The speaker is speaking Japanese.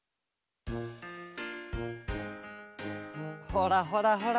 ほらほらほら。